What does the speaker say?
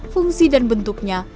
fungsi dan bentuknya